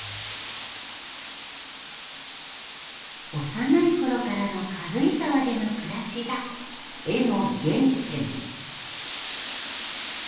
幼いころからの軽井沢での暮らしが絵の原点。